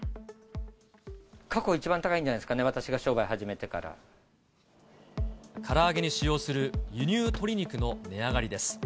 過去一番高いんじゃないですから揚げに使用する輸入鶏肉の値上がりです。